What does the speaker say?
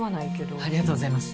ありがとうございます。